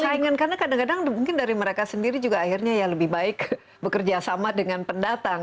persaingan karena kadang kadang mungkin dari mereka sendiri juga akhirnya ya lebih baik bekerja sama dengan pendatang